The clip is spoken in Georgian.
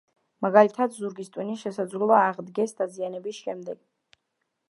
მაგალითად, ზურგის ტვინი შესაძლოა აღდგეს დაზიანების შემდეგ.